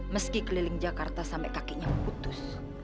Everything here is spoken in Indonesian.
meski keliling jakarta sampai kakinya memutus